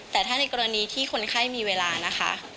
แต่ถ้าในกรณีที่คนไข้มีเวลานะคะ